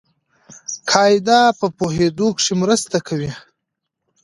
قاعده په پوهېدو کښي مرسته کوي.